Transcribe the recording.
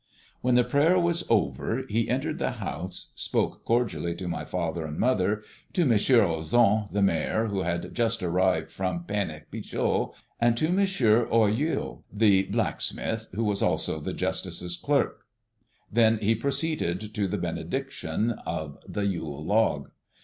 When the prayer was over, he entered the house, spoke cordially to my father and mother, to M. Ozon, the mayor, who had just arrived from Pénic Pichon, and to M. Oillo, the blacksmith, who was also the justice's clerk. Then he proceeded to the benediction of the Yule log.